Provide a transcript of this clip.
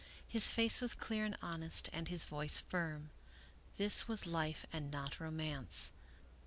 His face was clear and honest and his voice firm. This was life and not romance.